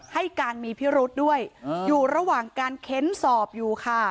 ให้การมีพิรุษด้วยอยู่ระหว่างการเค้นสอบอยู่ค่ะ